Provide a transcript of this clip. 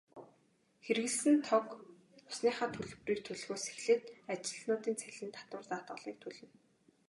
Хэрэглэсэн тог, усныхаа төлбөрийг төлөхөөс эхлээд ажилтнуудын цалин, татвар, даатгалыг төлнө.